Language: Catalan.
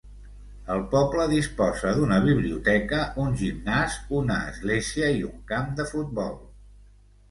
El poble disposa d'una biblioteca, un gimnàs, una església i un camp de futbol.